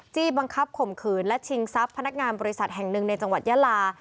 บังคับข่มขืนและชิงทรัพย์พนักงานบริษัทแห่งหนึ่งในจังหวัดยาลา